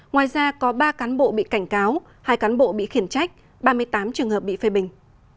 ngoài ra có ba cán bộ bị cảnh cáo hai cán bộ bị khiển trách ba mươi tám trường hợp bị phê bình